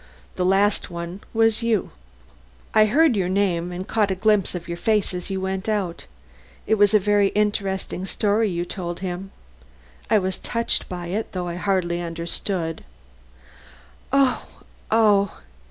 The last one was you; I heard your name and caught a glimpse of your face as you went out. It was a very interesting story you told him I was touched by it though I hardly understood." "Oh! oh!"